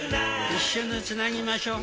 一緒に繋ぎましょう。